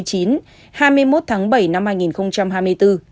hai mươi một tháng bảy năm hai nghìn hai mươi bốn